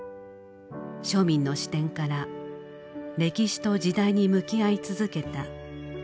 庶民の視点から歴史と時代に向き合い続けた９２年の生涯でした。